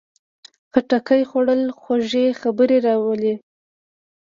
خټکی خوړل خوږې خبرې راولي.